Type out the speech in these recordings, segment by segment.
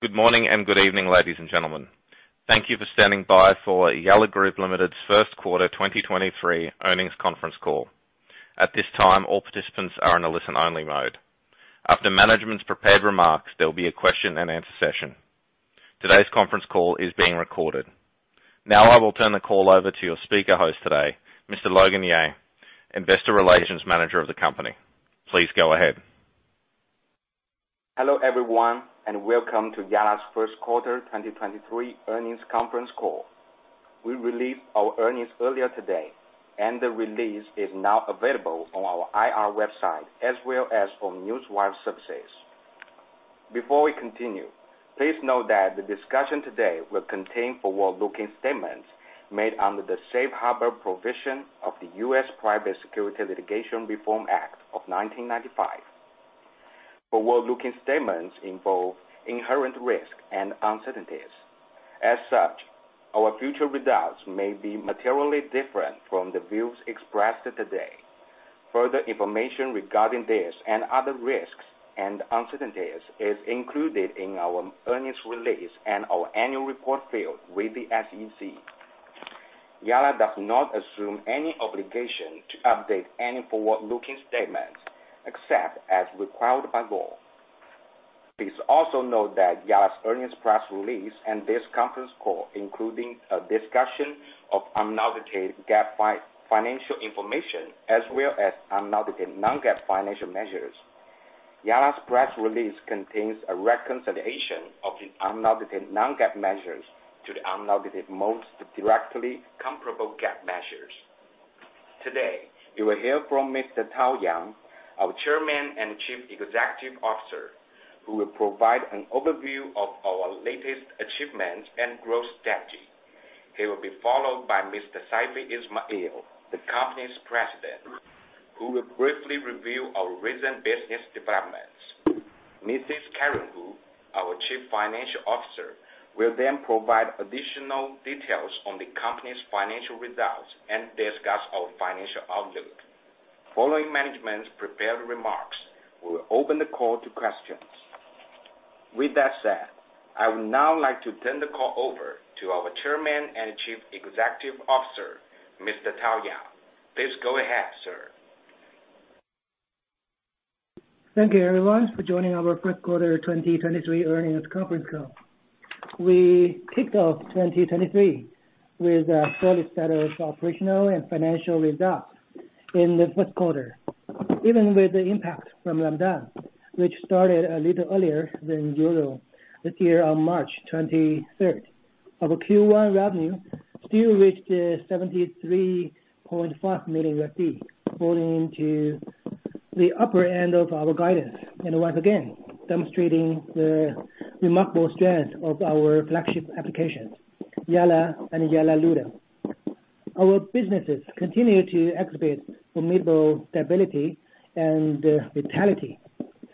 Good morning and good evening, ladies and gentlemen. Thank you for standing by for Yalla Group Limited's First Quarter 2023 earnings conference call. At this time, all participants are in a listen-only mode. After management's prepared remarks, there'll be a question-and-answer session. Today's conference call is being recorded. I will turn the call over to your speaker host today, Mr. Logan Ye, Investor Relations Manager of the company. Please go ahead. Hello, everyone, and welcome to Yalla's First Quarter 2023 earnings conference call. We released our earnings earlier today, and the release is now available on our IR website as well as on Newswire services. Before we continue, please note that the discussion today will contain forward-looking statements made under the Safe Harbor provision of the U.S. Private Securities Litigation Reform Act of 1995. Forward-looking statements involve inherent risks and uncertainties. As such, our future results may be materially different from the views expressed today. Further information regarding this and other risks and uncertainties is included in our earnings release and our annual report filed with the SEC. Yalla does not assume any obligation to update any forward-looking statements except as required by law. Please also note that Yalla's earnings press release and this conference call, including a discussion of unaudited GAAP financial information, as well as unaudited non-GAAP financial measures. Yalla's press release contains a reconciliation of the unaudited non-GAAP measures to the unaudited most directly comparable GAAP measures. Today, you will hear from Mr. Tao Yang, our Chairman and Chief Executive Officer, who will provide an overview of our latest achievements and growth strategy. He will be followed by Mr. Saifi Ismail, the company's President, who will briefly review our recent business developments. Mrs. Karen Hu, our Chief Financial Officer, will then provide additional details on the company's financial results and discuss our financial outlook. Following management's prepared remarks, we will open the call to questions. With that said, I would now like to turn the call over to our Chairman and Chief Executive Officer, Mr. Tao Yang. Please go ahead, sir. Thank you, everyone, for joining our first quarter 2023 earnings conference call. We kicked off 2023 with a solid set of operational and financial results in the first quarter. Even with the impact from Ramadan, which started a little earlier than usual, this year on March 23rd. Our Q1 revenue still reached 73.5 million RC, falling into the upper end of our guidance, and once again demonstrating the remarkable strength of our flagship applications, Yalla and Yalla Ludo. Our businesses continue to exhibit formidable stability and vitality,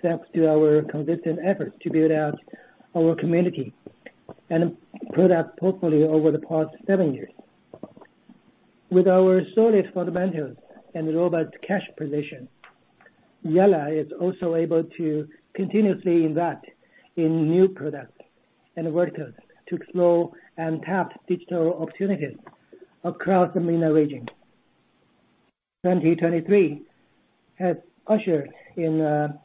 thanks to our consistent efforts to build out our community and product portfolio over the past seven years. With our solid fundamentals and robust cash position, Yalla is also able to continuously invest in new products and verticals to explore and tap digital opportunities across the MENA region. 2023 has ushered in a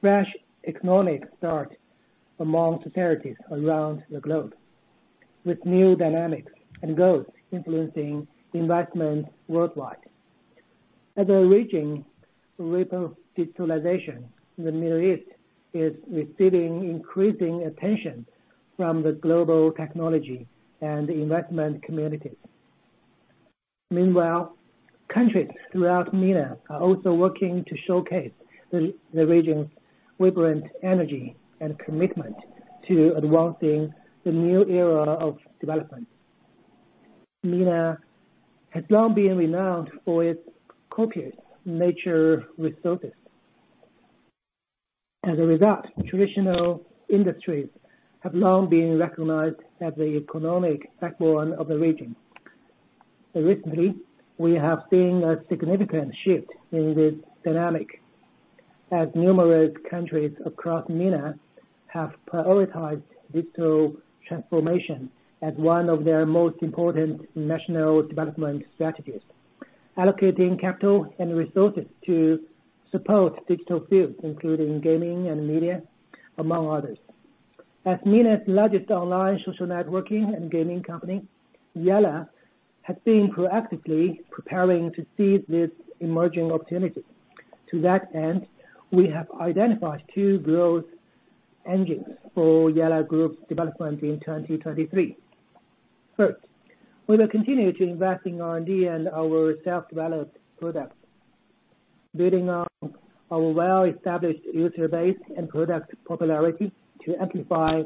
fresh economic start among societies around the globe, with new dynamics and goals influencing investments worldwide. As a region ripe of digitalization, the Middle East is receiving increasing attention from the global technology and investment communities. Meanwhile, countries throughout MENA are also working to showcase the region's vibrant energy and commitment to advancing the new era of development. MENA has long been renowned for its copious nature resources. As a result, traditional industries have long been recognized as the economic backbone of the region. Recently, we have seen a significant shift in this dynamic, as numerous countries across MENA have prioritized digital transformation as one of their most important national development strategies, allocating capital and resources to support digital fields, including gaming and media, among others. As MENA's largest online social networking and gaming company, Yalla has been proactively preparing to seize this emerging opportunity. To that end, we have identified two growth engines for Yalla Group's development in 2023. First, we will continue to invest in R&D and our self-developed products, building on our well-established user base and product popularity to amplify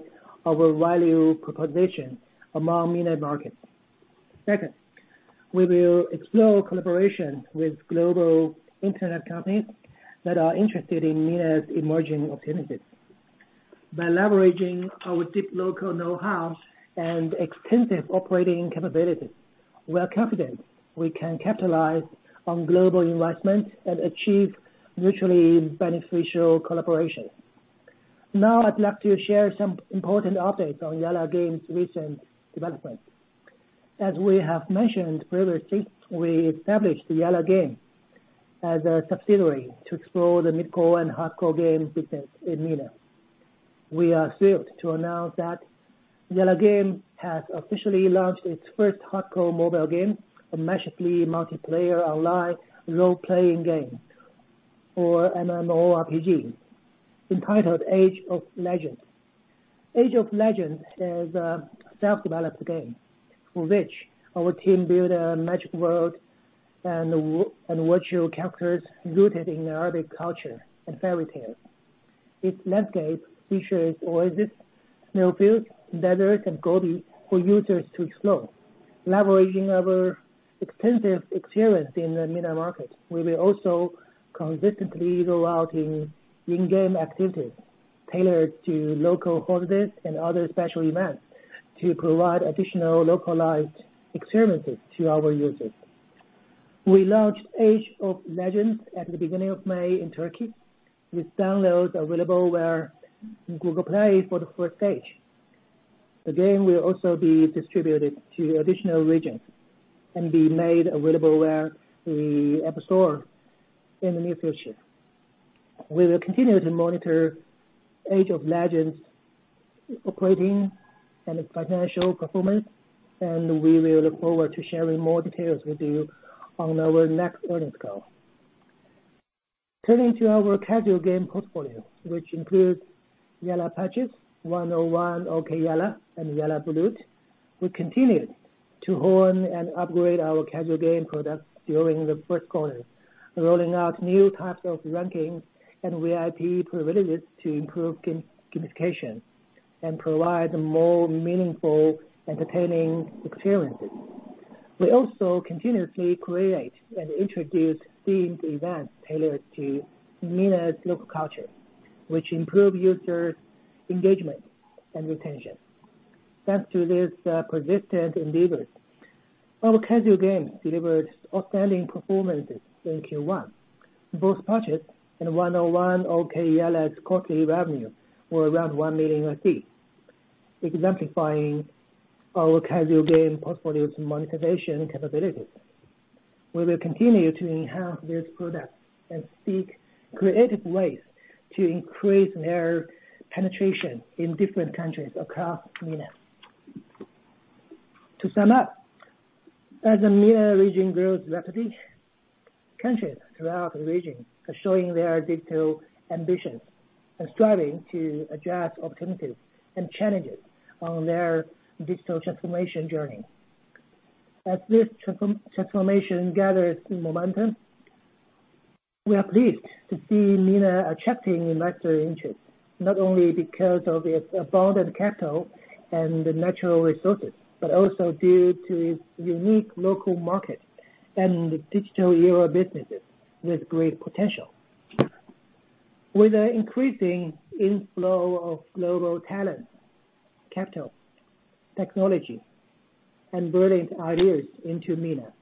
our value proposition among MENA markets. Second, we will explore collaborations with global internet companies that are interested in MENA's emerging opportunities. By leveraging our deep local know-how and extensive operating capabilities, we are confident we can capitalize on global investments and achieve mutually beneficial collaboration. Now, I'd like to share some important updates on Yalla Game recent development. As we have mentioned previously, we established Yalla Game as a subsidiary to explore the mid-core and hard-core game business in MENA. We are thrilled to announce that Yalla Game has officially launched its first hardcore mobile game, a massively multiplayer online role-playing game or MMORPG, entitled Age of Legends. Age of Legends is a self-developed game in which our team built a magic world and virtual characters rooted in the Arabic culture and fairy tales. Its landscape features oasis, snowfield, desert, and Gobi for users to explore. Leveraging our extensive experience in the MENA market, we will also consistently roll out in-game activities tailored to local holidays and other special events to provide additional localized experiences to our users. We launched Age of Legends at the beginning of May in Turkey, with downloads available via Google Play for the first stage. The game will also be distributed to additional regions and be made available via the App Store in the near future. We will continue to monitor Age of Legends operating and its financial performance, and we will look forward to sharing more details with you on our next earnings call. Turning to our casual game portfolio, which includes Yalla Parchis, 101 Okey Yalla, and Yalla Baloot. We continued to hone and upgrade our casual game products during the first quarter, rolling out new types of rankings and VIP privileges to improve gamification and provide more meaningful, entertaining experiences. We also continuously create and introduce themed events tailored to MENA's local culture, which improve user engagement and retention. Thanks to these persistent endeavors, our casual games delivered outstanding performances in Q1. Both Parchis and 101 Okey Yalla's quarterly revenue were around 1 million RC, exemplifying our casual game portfolio's monetization capabilities. We will continue to enhance these products and seek creative ways to increase their penetration in different countries across MENA. To sum up, as the MENA region grows rapidly, countries throughout the region are showing their digital ambitions and striving to address opportunities and challenges on their digital transformation journey. As this transformation gathers momentum, we are pleased to see MENA attracting investor interest, not only because of its abundant capital and natural resources, but also due to its unique local market and digital era businesses with great potential. With an increasing inflow of global talent, capital, technology, and brilliant ideas into MENA,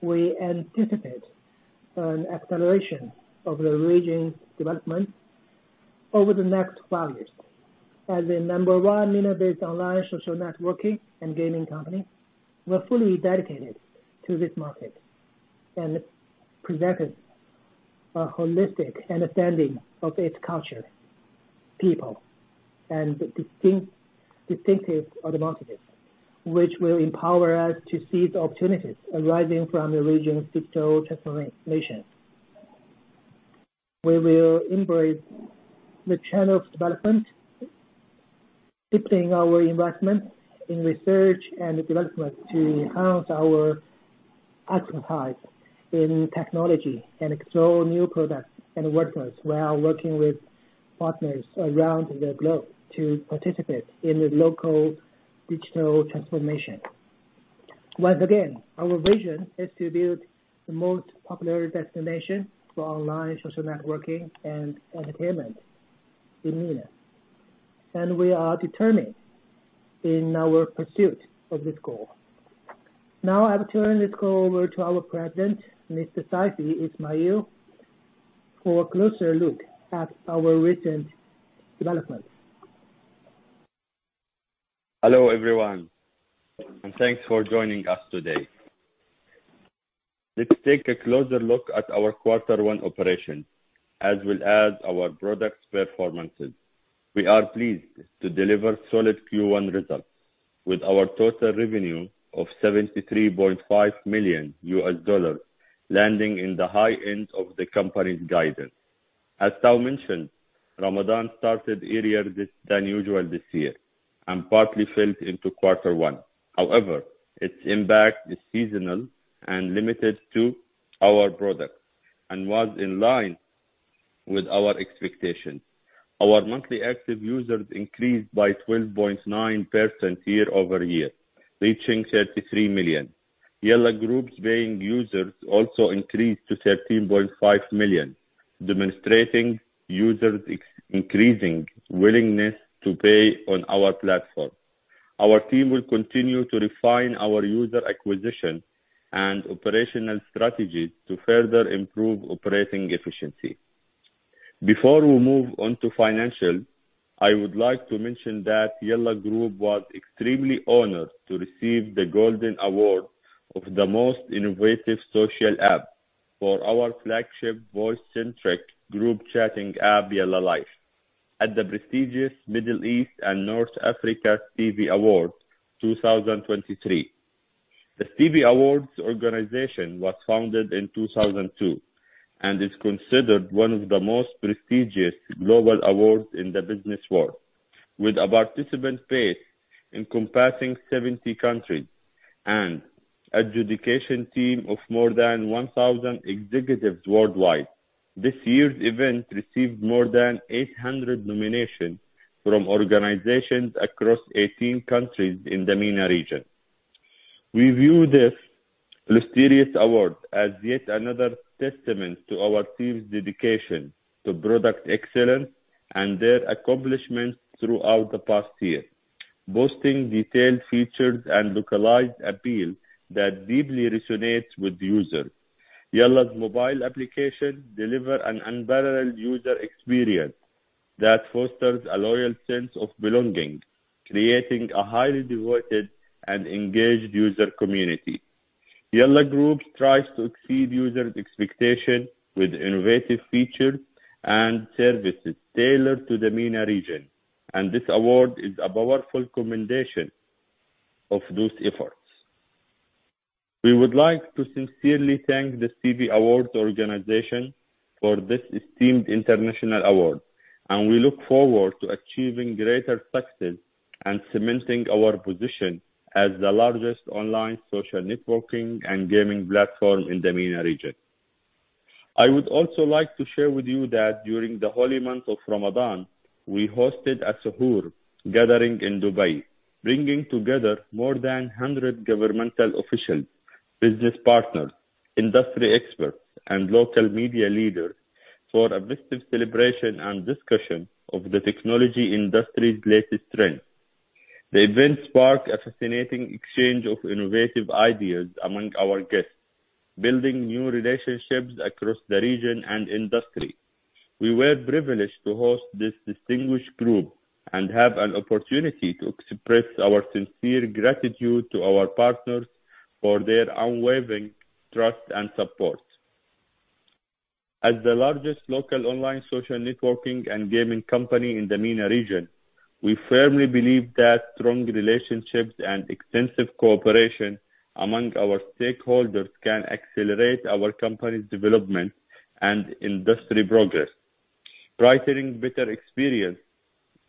we anticipate an acceleration of the region's development over the next five years. As the number one MENA-based online social networking and gaming company, we're fully dedicated to this market and presented a holistic understanding of its culture, people, and distinctive opportunities, which will empower us to seize opportunities arising from the region's digital transformation. We will embrace the channels development, deepening our investment in research and development to enhance our expertise in technology and explore new products and workflows while working with partners around the globe to participate in the local digital transformation. Once again, our vision is to build the most popular destination for online social networking and entertainment in MENA. We are determined in our pursuit of this goal. Now, I will turn this call over to our President, Mr. Saifi Ismail, for a closer look at our recent developments. Hello, everyone. Thanks for joining us today. Let's take a closer look at our quarter one operations, as well as our products' performances. We are pleased to deliver solid Q1 results with our total revenue of $73.5 million, landing in the high end of the company's guidance. As Tao mentioned, Ramadan started earlier than usual this year and partly fell into quarter one. Its impact is seasonal and limited to our products and was in line with our expectations. Our monthly active users increased by 12.9% year-over-year, reaching 33 million. Yalla Group's paying users also increased to 13.5 million. Demonstrating users' increasing willingness to pay on our platform. Our team will continue to refine our user acquisition and operational strategies to further improve operating efficiency. Before we move on to financial, I would like to mention that Yalla Group was extremely honored to receive the Golden Award of the Most Innovative Social App for our flagship voice-centric group chatting app, Yalla, at the prestigious Middle East and North Africa Stevie Awards 2023. The Stevie Awards organization was founded in 2002 and is considered one of the most prestigious global awards in the business world, with a participant base encompassing 70 countries and adjudication team of more than 1,000 executives worldwide. This year's event received more than 800 nominations from organizations across 18 countries in the MENA region. We view this prestigious award as yet another testament to our team's dedication to product excellence and their accomplishments throughout the past year, boasting detailed features and localized appeal that deeply resonates with users. Yalla's mobile application deliver an unparalleled user experience that fosters a loyal sense of belonging, creating a highly devoted and engaged user community. Yalla Group tries to exceed users' expectations with innovative features and services tailored to the MENA region. This award is a powerful commendation of those efforts. We would like to sincerely thank the Stevie Awards organization for this esteemed international award. We look forward to achieving greater success and cementing our position as the largest online social networking and gaming platform in the MENA region. I would also like to share with you that during the holy month of Ramadan, we hosted a suhoor gathering in Dubai, bringing together more than 100 governmental officials, business partners, industry experts, and local media leaders for a festive celebration and discussion of the technology industry's latest trends. The event sparked a fascinating exchange of innovative ideas among our guests, building new relationships across the region and industry. We were privileged to host this distinguished group and have an opportunity to express our sincere gratitude to our partners for their unwavering trust and support. As the largest local online social networking and gaming company in the MENA region, we firmly believe that strong relationships and extensive cooperation among our stakeholders can accelerate our company's development and industry progress, providing better experience,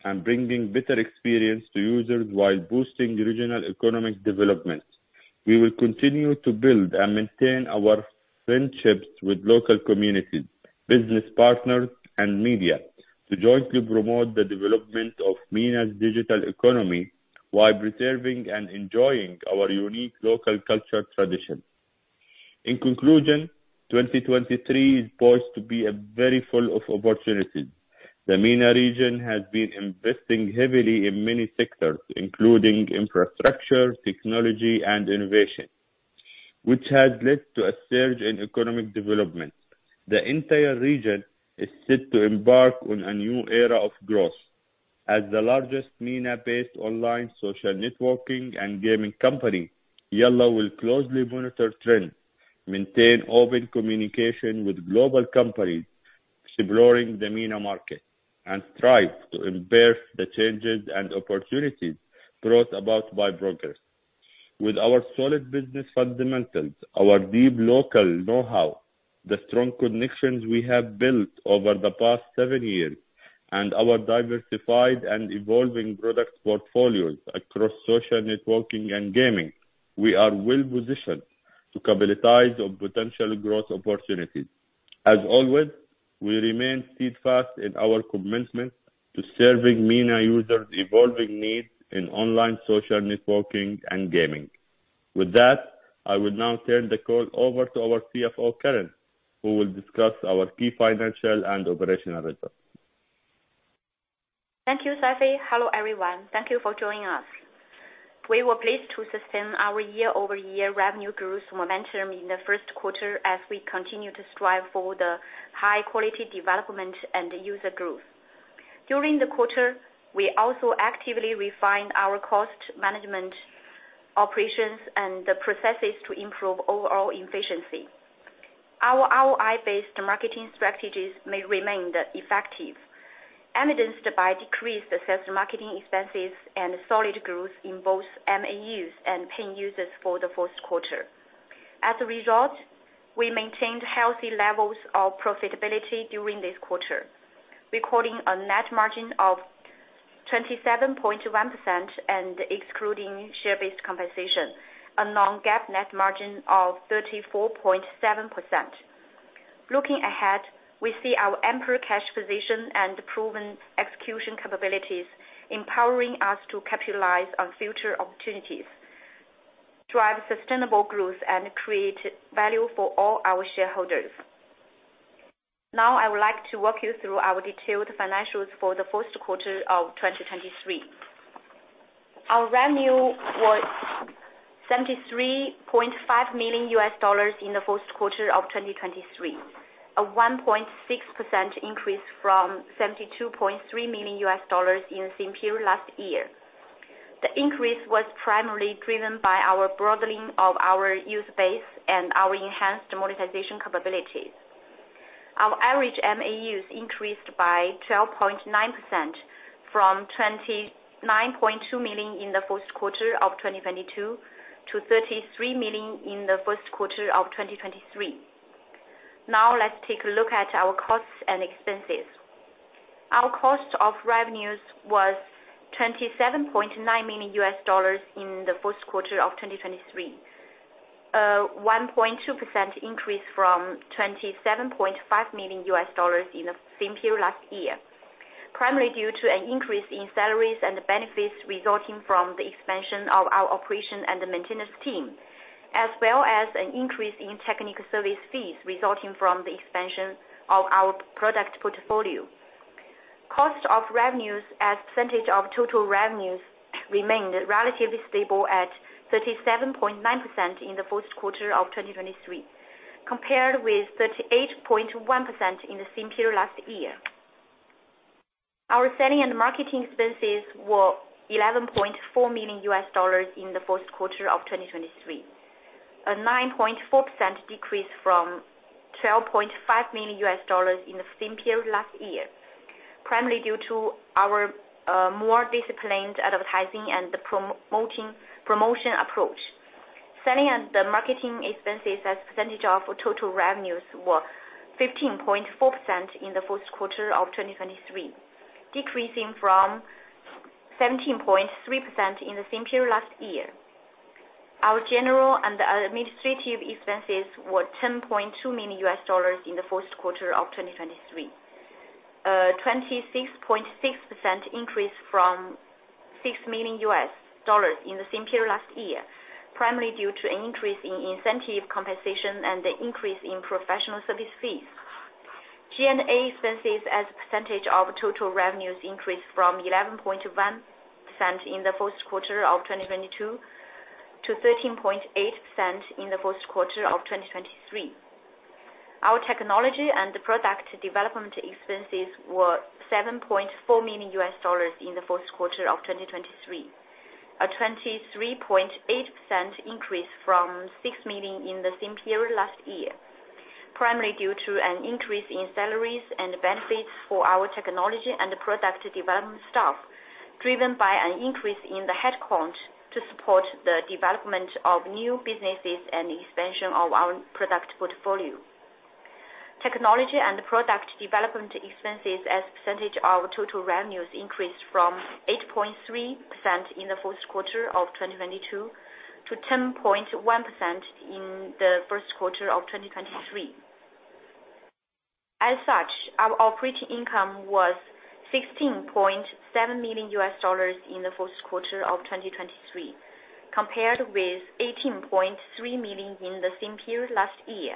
and bringing better experience to users while boosting regional economic development. We will continue to build and maintain our friendships with local communities, business partners, and media to jointly promote the development of MENA's digital economy while preserving and enjoying our unique local cultural traditions. In conclusion, 2023 is poised to be a very full of opportunities. The MENA region has been investing heavily in many sectors, including infrastructure, technology, and innovation, which has led to a surge in economic development. The entire region is set to embark on a new era of growth. As the largest MENA-based online social networking and gaming company, Yalla will closely monitor trends, maintain open communication with global companies exploring the MENA market, and strive to embrace the changes and opportunities brought about by progress. With our solid business fundamentals, our deep local know-how, the strong connections we have built over the past seven years, and our diversified and evolving product portfolios across social networking and gaming, we are well-positioned to capitalize on potential growth opportunities. As always, we remain steadfast in our commitment to serving MENA users' evolving needs in online social networking and gaming. With that, I will now turn the call over to our CFO, Karen, who will discuss our key financial and operational results. Thank you, Saifi. Hello, everyone. Thank you for joining us. We were pleased to sustain our year-over-year revenue growth momentum in the first quarter as we continue to strive for the high-quality development and user growth. During the quarter, we also actively refined our cost management operations and the processes to improve overall efficiency. Our ROI-based marketing strategies may remain effective, evidenced by decreased sales marketing expenses and solid growth in both MAUs and paying users for the first quarter. As a result, we maintained healthy levels of profitability during this quarter, recording a net margin of 27.1% and excluding share-based compensation, a non-GAAP net margin of 34.7%. Looking ahead, we see our ample cash position and proven execution capabilities empowering us to capitalize on future opportunities. Drive sustainable growth and create value for all our shareholders. I would like to walk you through our detailed financials for the first quarter of 2023. Our revenue was $73.5 million in the first quarter of 2023. A 1.6% increase from $72.3 million in the same period last year. The increase was primarily driven by our broadening of our user base and our enhanced monetization capabilities. Our average MAUs increased by 12.9% from $29.2 million in the first quarter of 2022 to $33 million in the first quarter of 2023. Let's take a look at our costs and expenses. Our cost of revenues was $27.9 million in the first quarter of 2023. 1.2% increase from $27.5 million in the same period last year, primarily due to an increase in salaries and benefits resulting from the expansion of our operation and the maintenance team, as well as an increase in technical service fees resulting from the expansion of our product portfolio. Cost of revenues as percentage of total revenues remained relatively stable at 37.9% in the first quarter of 2023, compared with 38.1% in the same period last year. Our selling and marketing expenses were $11.4 million in the first quarter of 2023. A 9.4% decrease from $12.5 million in the same period last year, primarily due to our more disciplined advertising and promotion approach. Selling and the marketing expenses as percentage of total revenues were 15.4% in the first quarter of 2023, decreasing from 17.3% in the same period last year. Our general and administrative expenses were $10.2 million in the first quarter of 2023. 26.6% increase from $6 million in the same period last year, primarily due to an increase in incentive compensation and an increase in professional service fees. G&A expenses as a percentage of total revenues increased from 11.1% in the first quarter of 2022 to 13.8% in the first quarter of 2023. Our technology and product development expenses were $7.4 million in the first quarter of 2023. A 23.8% increase from $6 million in the same period last year, primarily due to an increase in salaries and benefits for our technology and product development staff, driven by an increase in the headcount to support the development of new businesses and expansion of our product portfolio. Technology and product development expenses as percentage of total revenues increased from 8.3% in the first quarter of 2022 to 10.1% in the first quarter of 2023. As such, our operating income was $16.7 million in the first quarter of 2023, compared with $18.3 million in the same period last year.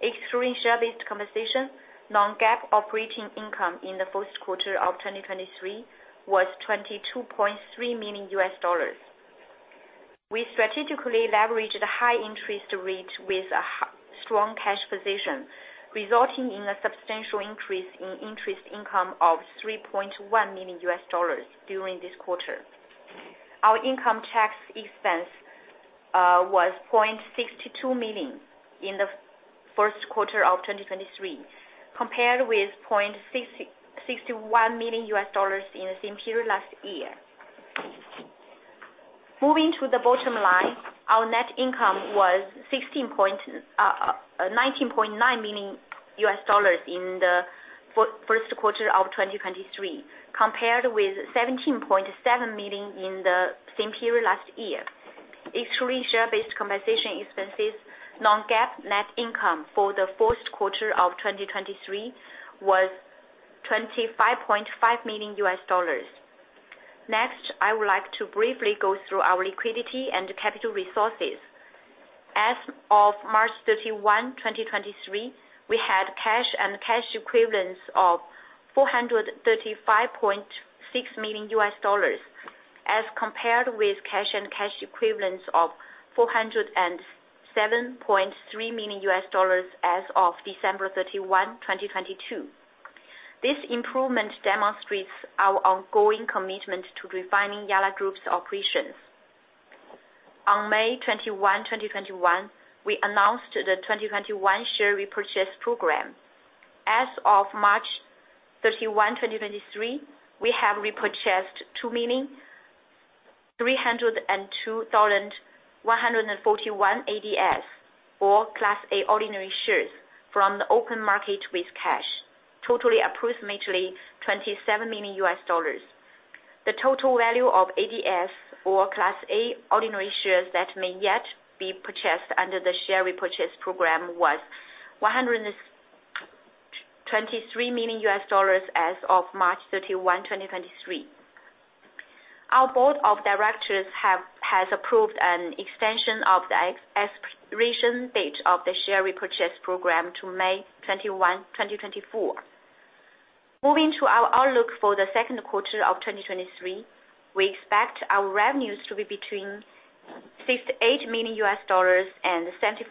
Excluding share-based compensation, non-GAAP operating income in the first quarter of 2023 was $22.3 million. We strategically leveraged the high interest rate with a strong cash position, resulting in a substantial increase in interest income of $3.1 million during this quarter. Our income tax expense was $0.62 million in the first quarter of 2023, compared with $0.61 million in the same period last year. Moving to the bottom line, our net income was $19.9 million in the first quarter of 2023, compared with $17.7 million in the same period last year. Excluding share-based compensation expenses, non-GAAP net income for the first quarter of 2023 was $25.5 million. Next, I would like to briefly go through our liquidity and capital resources. As of March 31, 2023, we had cash and cash equivalents of $435.6 million as compared with cash and cash equivalents of $407.3 million as of December 31, 2022. This improvement demonstrates our ongoing commitment to refining Yalla Group's operations. On May 21, 2021, we announced the 2021 share repurchase program. As of March 31, 2023, we have repurchased 2,302,141 ADS or Class A ordinary shares from the open market with cash, totaling approximately $27 million. The total value of ADS or Class A ordinary shares that may yet be purchased under the share repurchase program was $123 million as of March 31, 2023. Our board of directors has approved an extension of the expiration date of the share repurchase program to May 21, 2024. Moving to our outlook for the second quarter of 2023. We expect our revenues to be between $68 million and $75.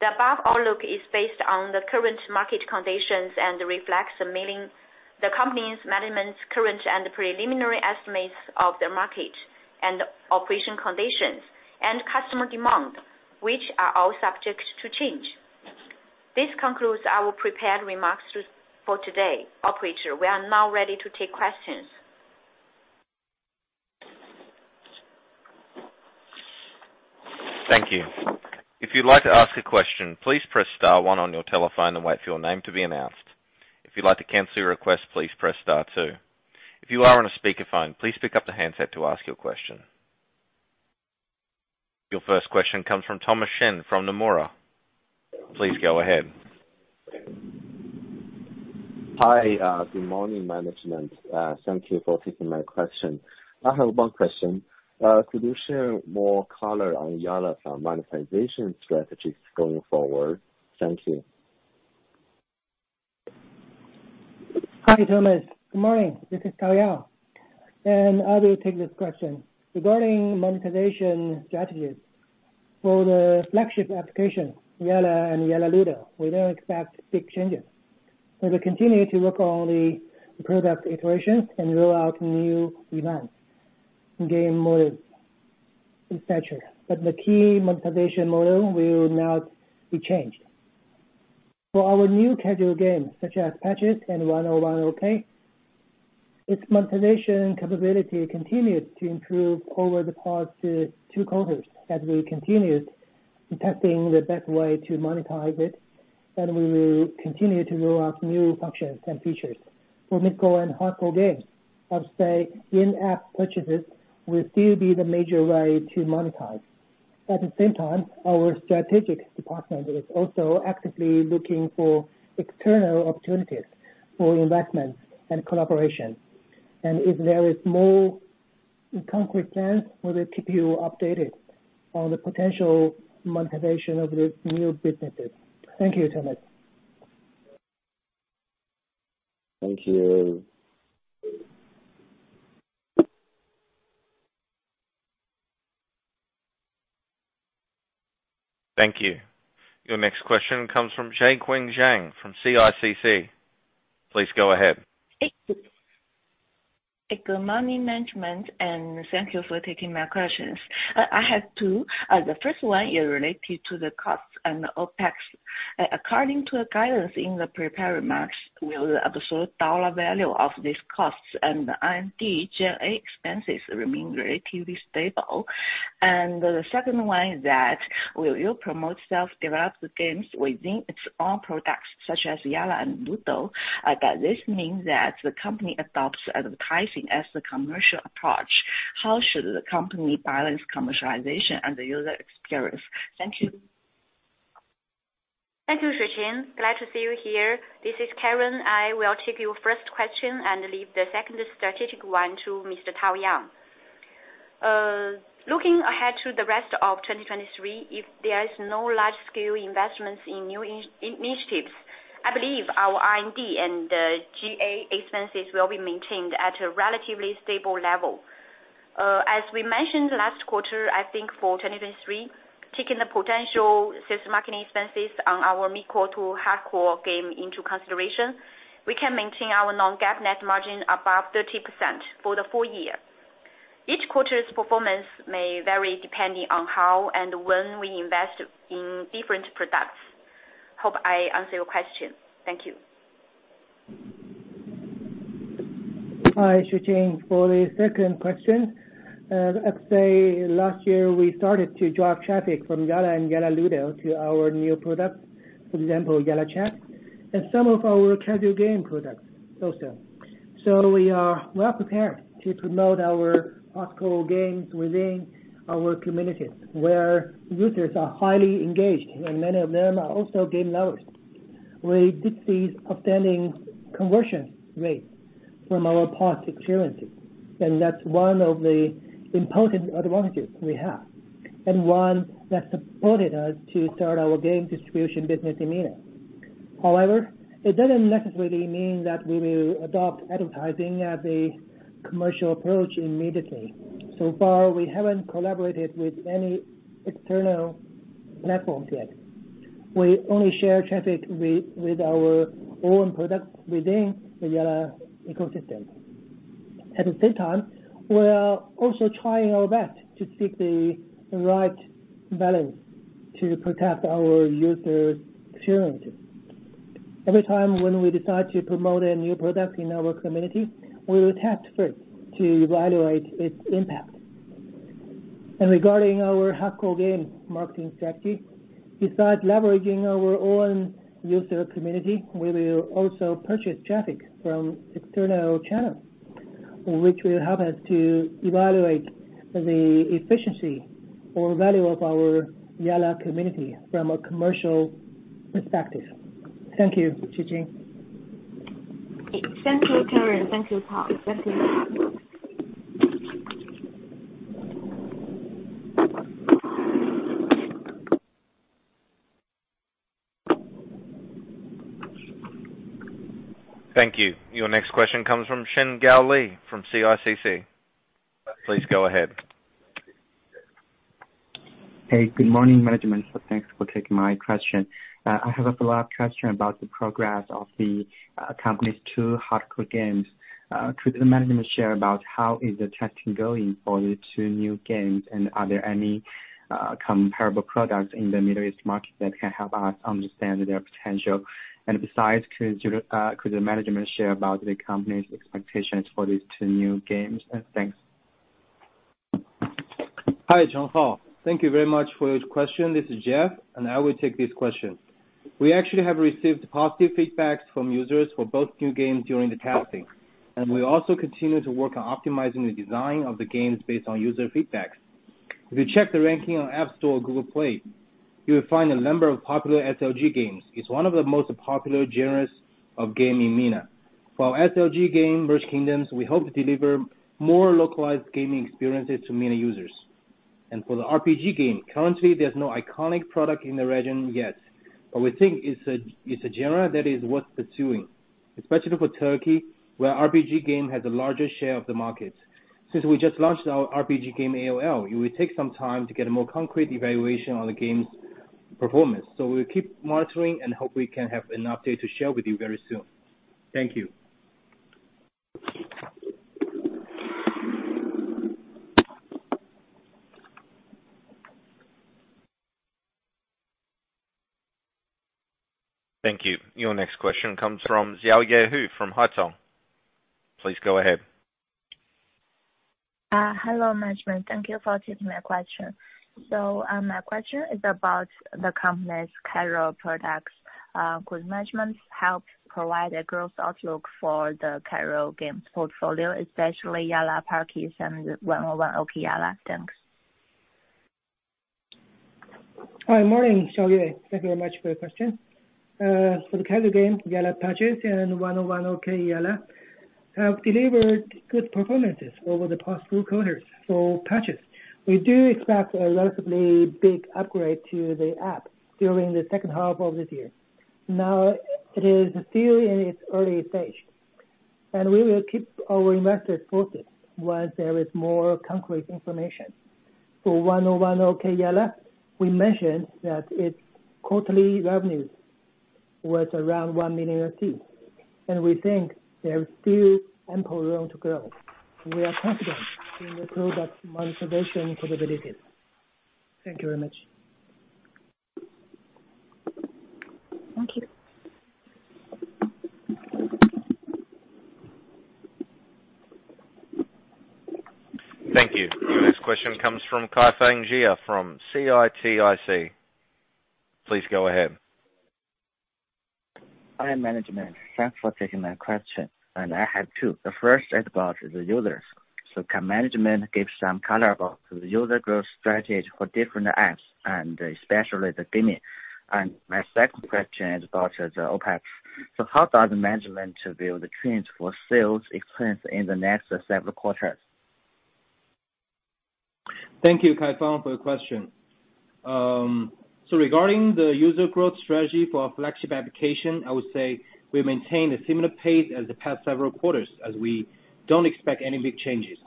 The above outlook is based on the current market conditions and reflects the company's management's current and preliminary estimates of the market and operation conditions and customer demand, which are all subject to change. This concludes our prepared remarks for today. Operator, we are now ready to take questions. Thank you. If you'd like to ask a question, please press star one on your telephone and wait for your name to be announced. If you'd like to cancel your request, please press star two. If you are on a speaker phone, please pick up the handset to ask your question. Your first question comes from Thomas Shen from Nomura. Please go ahead. Hi. good morning, management. Thank you for taking my question. I have one question. Could you share more color on Yalla's monetization strategies going forward? Thank you. Hi, Thomas. Good morning. This is Tao Yang, and I will take this question. Regarding monetization strategies, for the flagship application, Yalla and Yalla Ludo, we don't expect big changes. We will continue to work on the product iterations and roll out new events and game modes, et cetera. The key monetization model will not be changed. For our new casual games such as Parchis and 101 Okey Yalla, its monetization capability continues to improve over the past two quarters as we continued testing the best way to monetize it, and we will continue to roll out new functions and features. For mid-core and hardcore games, I'd say in-app purchases will still be the major way to monetize. At the same time, our strategic department is also actively looking for external opportunities for investment and collaboration. If there is more concrete plans, we will keep you updated on the potential monetization of these new businesses. Thank you, Thomas. Thank you. Thank you. Your next question comes from Xueqing Zhang from CICC. Please go ahead. Good morning, management, and thank you for taking my questions. I have two. The first one is related to the costs and the OpEx. According to the guidance in the prepared remarks, will the absolute dollar value of these costs and the R&D, G&A expenses remain relatively stable? The second one is that, will you promote self-developed games within its own products such as Yalla and Ludo? Does this mean that the company adopts advertising as the commercial approach? How should the company balance commercialization and the user experience? Thank you. Thank you, Xueqing. Glad to see you here. This is Karen. I will take your first question and leave the second strategic one to Mr. Tao Yang. Looking ahead to the rest of 2023, if there is no large-scale investments in new initiatives, I believe our R&D and G&A expenses will be maintained at a relatively stable level. As we mentioned last quarter, I think for 2023, taking the potential sales marketing expenses on our mid-core to hardcore game into consideration, we can maintain our non-GAAP net margin above 30% for the full year. Each quarter's performance may vary depending on how and when we invest in different products. Hope I answer your question. Thank you. Hi, Xueqing. For the second question, I'd say last year we started to drive traffic from Yalla and Yalla Ludo to our new products. For example, YallaChat and some of our casual game products also. We are well prepared to promote our hard-core games within our communities, where users are highly engaged, and many of them are also game lovers. We did see outstanding conversion rates from our past experiences, and that's one of the important advantages we have and one that supported us to start our game distribution business in MENA. It doesn't necessarily mean that we will adopt advertising as a commercial approach immediately. We haven't collaborated with any external platforms yet. We only share traffic with our own products within the Yalla ecosystem. At the same time, we are also trying our best to seek the right balance to protect our user experiences. Every time when we decide to promote a new product in our community, we will test first to evaluate its impact. Regarding our hard-core game marketing strategy, besides leveraging our own user community, we will also purchase traffic from external channels. Which will help us to evaluate the efficiency or value of our Yalla community from a commercial perspective. Thank you. Xueqing. Thank you, Karen. Thank you, Tao. Thank you. Thank you. Your next question comes from Chenghao Li from CICC. Please go ahead. Good morning, management. Thanks for taking my question. I have a follow-up question about the progress of the company's two hard-core games. Could the management share about how is the testing going for the two new games, and are there any comparable products in the Middle East market that can help us understand their potential? Besides, could you, could the management share about the company's expectations for these two new games? Thanks. Hi, Chenghao. Thank you very much for this question. This is Jeff. I will take this question. We actually have received positive feedbacks from users for both new games during the testing, and we also continue to work on optimizing the design of the games based on user feedbacks. If you check the ranking on App Store or Google Play, you will find a number of popular SLG games. It's one of the most popular genres of game in MENA. For our SLG game, Merge Kingdoms, we hope to deliver more localized gaming experiences to MENA users. For the RPG game, currently there's no iconic product in the region yet, but we think it's a genre that is worth pursuing, especially for Turkey, where RPG game has the largest share of the market. Since we just launched our RPG game, AOL, it will take some time to get a more concrete evaluation on the game's performance, so we'll keep monitoring and hope we can have an update to share with you very soon. Thank you. Thank you. Your next question comes from Xiaoyue Hu from Haitong. Please go ahead. Hello, management. Thank you for taking my question. My question is about the company's casual products. Could management help provide a growth outlook for the casual game portfolio, especially Yalla Parchis and 101 Okey Yalla? Thanks. Hi. Morning, Xiaoyue. Thank you very much for your question. For the casual game, Yalla Parchis and 101 Okey Yalla, have delivered good performances over the past two quarters. For Parchis, we do expect a relatively big upgrade to the app during the second half of this year. It is still in its early stage, and we will keep our investors posted once there is more concrete information. For 101 Okey Yalla, we mentioned that its quarterly revenues was around $1 million RT, and we think there is still ample room to grow. We are confident in the product's monetization capabilities. Thank you very much. Thank you. Thank you. Your next question comes from Kaifang Jia from CITIC. Please go ahead. Hi, management. Thanks for taking my question, and I have two. The first is about the users. Can management give some color about the user growth strategy for different apps and especially the gaming? My second question is about the OpEx. How does management view the trends for sales expense in the next several quarters? Thank you, Kaifang, for your question. Regarding the user growth strategy for our flagship application, I would say we maintain a similar pace as the past several quarters, as we don't expect any big changes.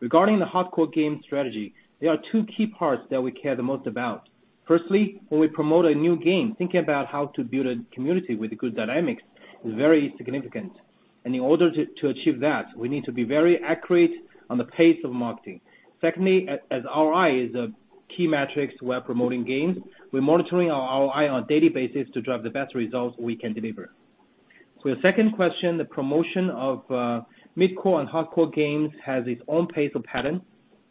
Regarding the hardcore game strategy, there are two key parts that we care the most about. Firstly, when we promote a new game, thinking about how to build a community with good dynamics is very significant, and in order to achieve that, we need to be very accurate on the pace of marketing. Secondly, as ROI is a key metrics, we're promoting games, we're monitoring our ROI on a daily basis to drive the best results we can deliver. For your second question, the promotion of mid-core and hardcore games has its own pace or pattern.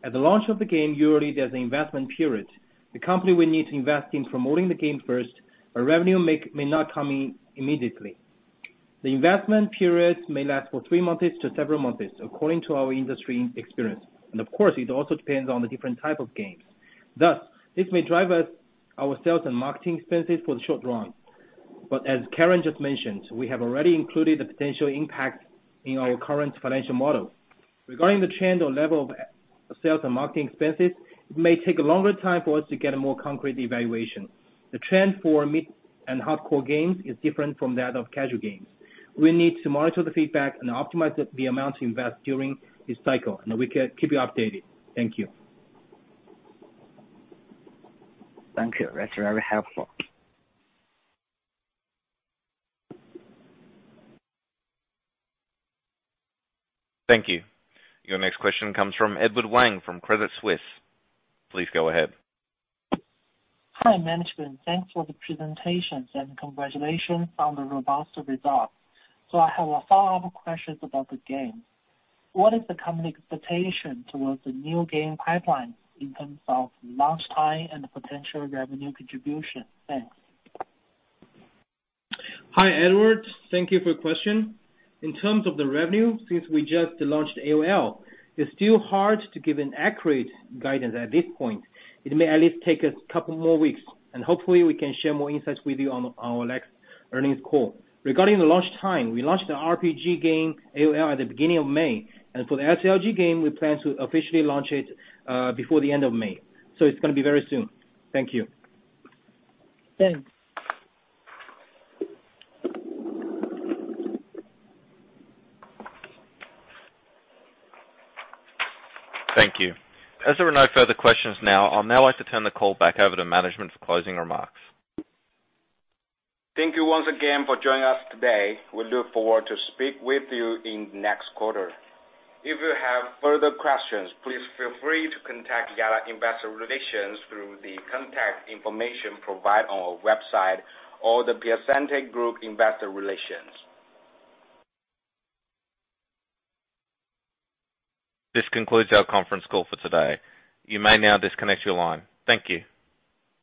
At the launch of the game, usually there's an investment period. The company will need to invest in promoting the game first, revenue may not come in immediately. The investment period may last for three months to several months, according to our industry experience. Of course, it also depends on the different type of games. Thus, this may drive us, our sales and marketing expenses for the short run. As Karen just mentioned, we have already included the potential impact in our current financial model. Regarding the trend or level of sales and marketing expenses, it may take a longer time for us to get a more concrete evaluation. The trend for mid and hardcore games is different from that of casual games. We need to monitor the feedback and optimize the amount to invest during this cycle, We can keep you updated. Thank you. Thank you. That's very helpful. Thank you. Your next question comes from Edward Wang from Credit Suisse. Please go ahead. Hi, management. Thanks for the presentations, and congratulations on the robust results. I have a follow-up question about the game. What is the company expectation towards the new game pipeline in terms of launch time and potential revenue contribution? Thanks. Hi, Edward. Thank you for your question. In terms of the revenue, since we just launched AOL, it's still hard to give an accurate guidance at this point. It may at least take a couple more weeks, and hopefully we can share more insights with you on our next earnings call. Regarding the launch time, we launched the RPG game, AOL, at the beginning of May, and for the SLG game, we plan to officially launch it before the end of May. It's gonna be very soon. Thank you. Thanks. Thank you. As there are no further questions now, I'd now like to turn the call back over to management for closing remarks. Thank you once again for joining us today. We look forward to speak with you in the next quarter. If you have further questions, please feel free to contact Yalla Investor Relations through the contact information provided on our website or the Piacente Group Investor Relations. This concludes our conference call for today. You may now disconnect your line. Thank you.